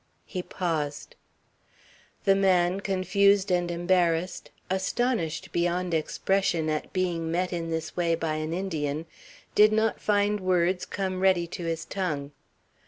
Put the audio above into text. He paused. The man, confused and embarrassed, astonished beyond expression at being met in this way by an Indian, did not find words come ready to his tongue.